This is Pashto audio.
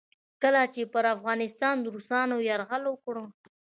کله چې پر افغانستان روسانو یرغل وکړ.